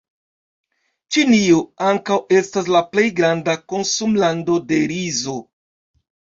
Ĉinio ankaŭ estas la plej granda konsumlando de rizo.